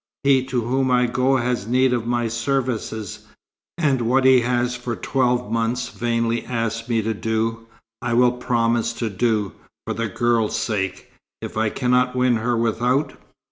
He to whom I go has need of my services, and what he has for twelve months vainly asked me to do, I will promise to do, for the girl's sake, if I cannot win her without."